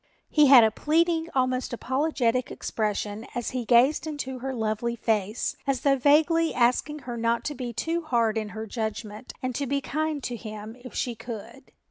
He had a pleading, almost apologetic expression as he gazed into her lovely face as though vaguely asking her not to be too hard in her judgment and to be kind to him if she could.